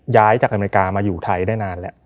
ย้ายจากอเมริกามาอยู่ไทยได้นานแล้ว